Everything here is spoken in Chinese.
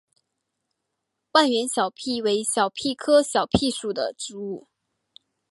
万源小檗为小檗科小檗属的植物。